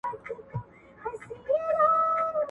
صالحه ميرمن روژه نيوونکې وي.